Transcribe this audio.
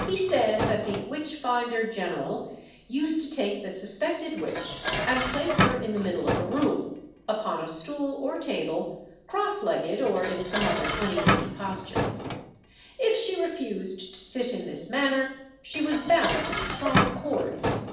He says, that the "Witch finder General" used to take the suspected witch and place her in the middle of a room, upon a stool or table, cross legged, or in some other uneasy posture. If she refused to sit in this manner, she was bound with strong cords.